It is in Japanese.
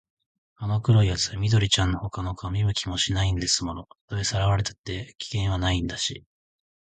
あの黒いやつは緑ちゃんのほかの子は見向きもしないんですもの。たとえさらわれたって、危険はないんだし、